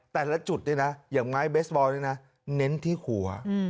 แต่ละจุดเนี่ยนะอย่างไม้เบสบอลนี่นะเน้นที่หัว